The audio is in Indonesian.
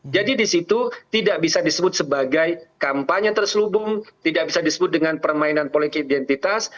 jadi di situ tidak bisa disebut sebagai kampanye terselubung tidak bisa disebut dengan permainan politik identitas